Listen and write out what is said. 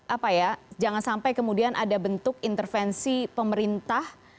apa ya jangan sampai kemudian ada bentuk intervensi pemerintah